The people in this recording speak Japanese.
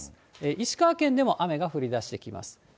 石川県でも雨が降りだしてきます。